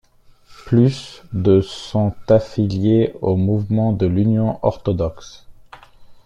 Plus de sont affiliées au mouvement de l'Union orthodoxe.